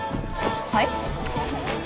はい？